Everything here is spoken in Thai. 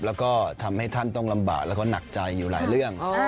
แล้วก็ทำให้ท่านต้องลำบากแล้วก็หนักใจอยู่หลายเรื่อง